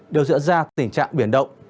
đều diễn ra tình trạng biển động